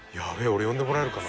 俺よんでもらえるかな。